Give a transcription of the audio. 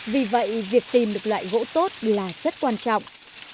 vì vậy việc tìm được loại gỗ tốt là rất quan trọng